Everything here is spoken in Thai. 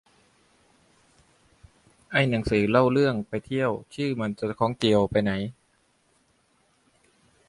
ไอ้หนังสือเล่าเรื่องไปเที่ยว ชื่อมันจะคล้องเจียวไปไหน